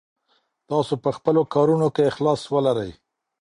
تاسو په خپلو کارونو کې اخلاص ولرئ.